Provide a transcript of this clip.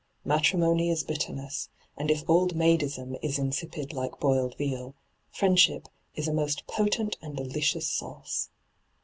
Matrimony is bitterness, and if old maidism is insipid like boiled veal, friendship is a most potent and delicious sauce.